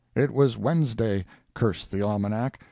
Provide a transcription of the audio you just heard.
It was Wednesday—curse the almanac!